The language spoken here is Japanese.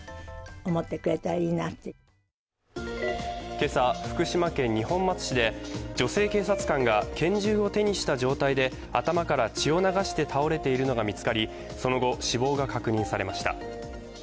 今朝、福島県二本松市で女性警察官が拳銃を手にした状態で頭から血を流して倒れているのが見つかりその後、死亡が確認されました。